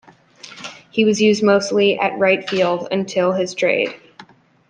He was used mostly at right field until his trade.